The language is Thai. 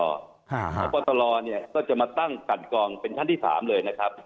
แล้วปตลเนี่ยก็จะมาตั้งกันกองเป็นชั้นที่๓เลยนะครับ